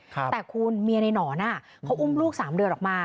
แต่คุณเมียในหนอนเขาอุ้มลูก๓เดือนออกมา